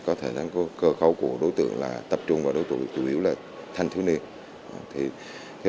có thể có cơ cấu của đối tượng tập trung vào đối tượng chủ yếu là thanh thiếu niên